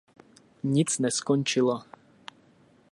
Nic neskončilo.